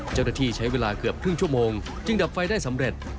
เจ้าหน้าที่ใช้เวลาเกือบครึ่งชั่วโมงจึงดับไฟได้สำเร็จ